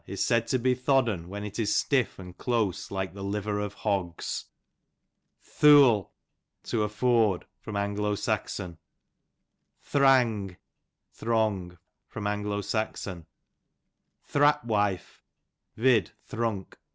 is said to he thodd'n when it is stiff and close like the liver of hogs. Thooal, to afford. A. S. Thrang, throng. A. S. Thrap wife, vid. thrunk.